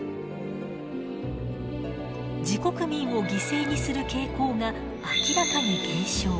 自国民を犠牲にする傾向が明らかに減少。